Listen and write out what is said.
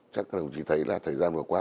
chắc các đồng chí thấy là thời gian vừa qua